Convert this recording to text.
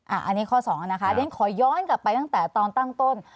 อันนี้ข้อสองนะคะเรียนขอย้อนกลับไปตั้งแต่ตอนตั้งต้น